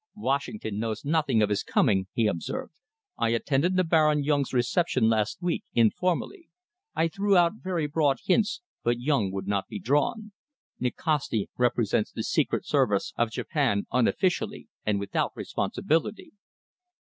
"Washington knows nothing of his coming," he observed. "I attended the Baron Yung's reception last week, informally. I threw out very broad hints, but Yung would not be drawn. Nikasti represents the Secret Service of Japan, unofficially and without responsibility."